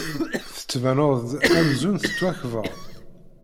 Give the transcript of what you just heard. Tettbaned-d amzun tettwakbad.